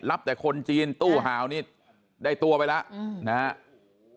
แต่คนจีนตู้หาวนี่ได้ตัวไปแล้วนะครับ